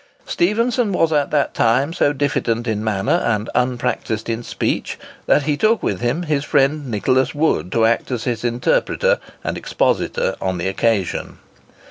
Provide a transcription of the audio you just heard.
Stephenson was at that time so diffident in manner and unpractised in speech, that he took with him his friend Nicholas Wood, to act as his interpreter and expositor on the occasion.